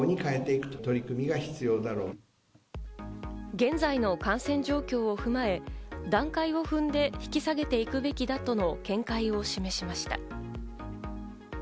現在の感染状況を踏まえ、段階を踏んで引き下げていくべきだとの見解を示しました。